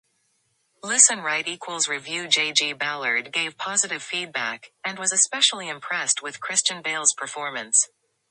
J. G. Ballard gave positive feedback, and was especially impressed with Christian Bale's performance.